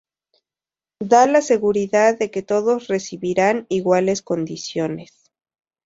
Da la seguridad de que todos recibirán iguales condiciones.